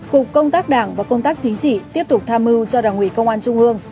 cục công tác đảng và công tác chính trị tiếp tục tham mưu cho đảng ủy công an trung ương